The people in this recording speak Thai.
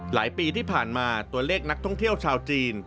หลายปีที่ผ่านมาตัวเลขนักท่องเที่ยวชาวจีน